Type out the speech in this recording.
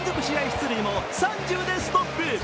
出塁も３０でストップ。